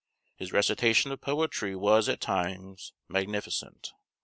His recitation of poetry was, at times, magnificent.